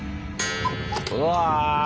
うわ！